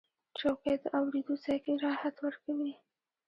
چوکۍ د اورېدو ځای کې راحت ورکوي.